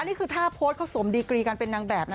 นี่คือท่าโพสต์เขาสมดีกรีกันเป็นนางแบบนะ